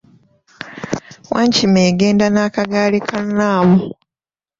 Wankima egenda n'akagaali ka Namu.